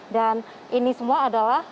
dan ini semua adalah